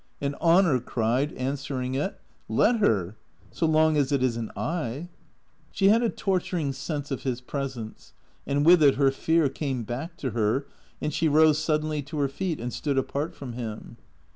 And honour cried, answering it, " Let her. So long as it is n't I." She had a torturing sense of his presence. And with it her fear came back to her, and she rose suddenly to her feet, and stood apart from him.